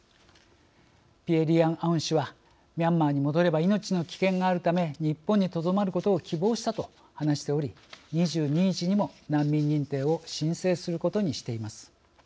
ピエ・リアン・アウン氏は「ミャンマーに戻れば命の危険があるため日本にとどまることを希望した」と話しており、２２日にも難民認定を申請することにしています。